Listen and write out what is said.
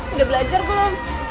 udah belajar belum